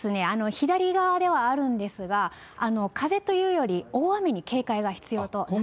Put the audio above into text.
左側ではあるんですが、風というより大雨に警戒が必要となってきそうです。